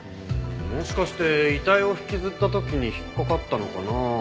もしかして遺体を引きずった時に引っかかったのかな。